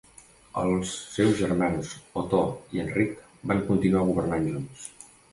Els seus germans Otó i Enric van continuar governant junts.